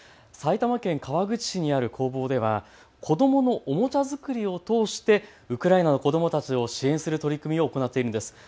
埼玉県川口市にある工房では子どものおもちゃ作りを通してウクライナの子どもたちを支援する取り組みを行っているんです。